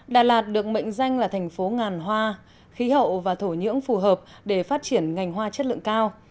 đà lạt được mệnh danh là thành phố ngàn hoa khí hậu và thổ nhưỡng phù hợp để phát triển ngành hoa chất lượng cao